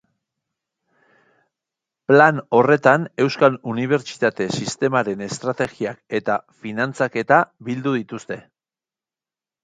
Plan horretan euskal unibertsitate sistemaren estrategiak eta finantzaketa bildu dituzte.